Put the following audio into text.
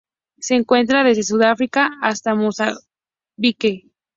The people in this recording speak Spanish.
Se encuentra desde Sudáfrica hasta Mozambique.